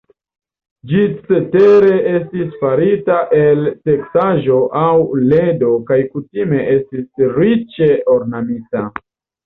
Ĝi cetere estis farita el teksaĵo aŭ ledo kaj kutime estis riĉe ornamita.